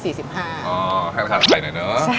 อ๋อให้ราคาขายหน่อยเนอะใช่